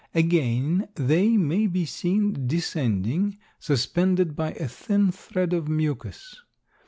Again, they may be seen descending, suspended by a thin thread of mucus.